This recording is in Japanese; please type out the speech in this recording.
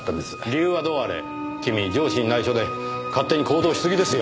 理由はどうあれ君上司に内緒で勝手に行動しすぎですよ。